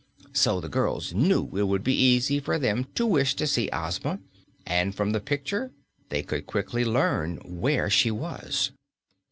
So the girls knew it would be easy for them to wish to see Ozma, and from the picture they could quickly learn where she was.